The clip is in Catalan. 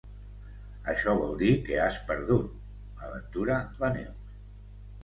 Això vol dir que has perdut —aventura la Neus.